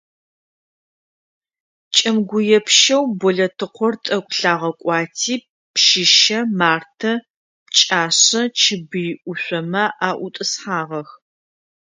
Кӏэмыгуепщэу Болэтыкъор тӏэкӏу лъагъэкӏуати Пщыщэ, Мартэ, Пкӏашъэ, Чыбый ӏушъомэ аӏутӏысхьагъэх.